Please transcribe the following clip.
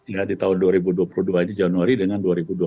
ya di tahun dua ribu dua puluh dua ini januari dengan dua ribu dua puluh